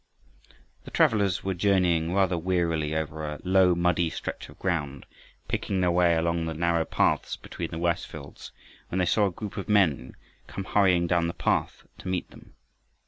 The travelers were journeying rather wearily over a low muddy stretch of ground, picking their way along the narrow paths between the rice fields, when they saw a group of men come hurrying down the path to meet them.